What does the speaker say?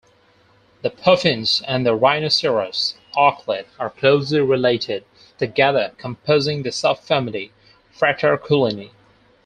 The puffins and the rhinoceros auklet are closely related, together composing the subfamily Fraterculini.